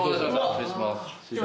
失礼します。